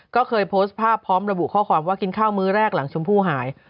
ก็เคยโพสต์ภาพพร้อมระบุข้อความว่ากินข้าวมื้อแรกหลังชมพู่หาย